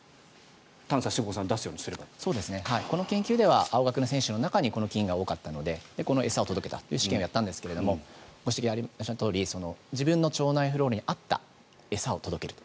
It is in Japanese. この研究では青学の選手の中にこの菌が多かったのでこの餌を届けたという試験をしたんですがご指摘のとおり自分の腸内フローラに合った餌を届けると。